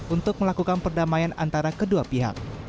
untuk melakukan perdamaian antara kedua pihak